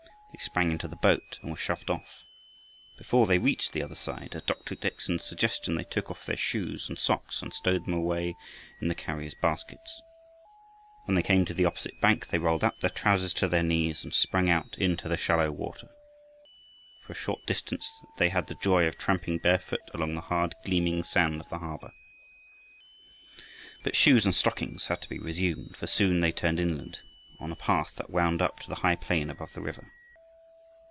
They sprang into the boat and were shoved off. Before they reached the other side, at Dr. Dickson's suggestion, they took off their shoes and socks, and stowed them away in the carriers' baskets. When they came to the opposite bank they rolled up their trousers to their knees and sprang out into the shallow water. For a short distance they had the joy of tramping barefoot along the hard gleaming sand of the harbor. But shoes and stockings had to be resumed, for soon they turned inland, on a path that wound up to the high plain above the river.